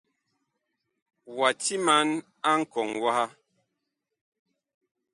Wa timan a nkɔŋ waha.